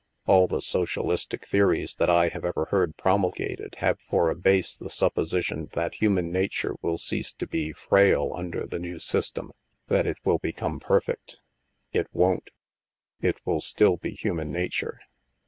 All the socialistic theories that I have ever heard promulgated have for a base the sup position that human nature will cease to be frail under the new system — that it will become perfect. It won't. It will still be human nature.